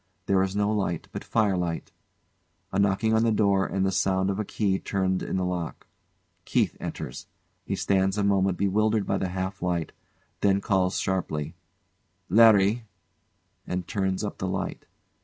There is no light but fire light. A knocking on the door and the sound of a key turned in the lock. KEITH enters. He stands a moment bewildered by the half light, then calls sharply: "Larry!" and turns up the light.